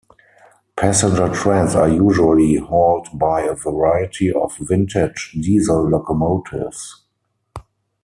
Passenger trains are usually hauled by a variety of vintage diesel locomotives.